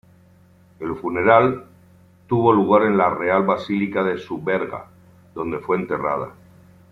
El funeral tuvo lugar en la Real Basílica de Superga, donde fue enterrada.